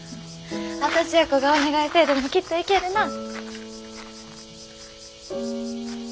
私やこがお願いせえでもきっと行けるなあ。